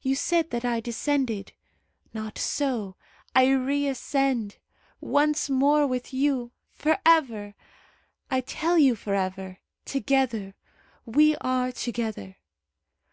You said that I descended. Not so; I reascend. Once more with you! For ever! I tell you for ever! Together! We are together!